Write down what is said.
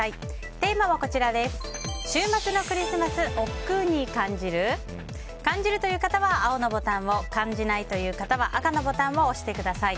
テーマは週末のクリスマスおっくうに感じる？感じるという方は青のボタンを感じないという方は赤のボタンを押してください。